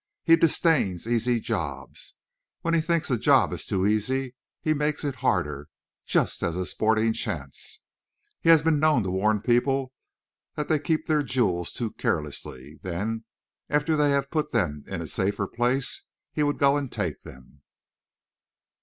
He disdains easy jobs; when he thinks a job is too easy, he makes it harder, just as a sporting chance. He has been known to warn people that they kept their jewels too carelessly, and then, after they had put them in a safer place, he would go and take them."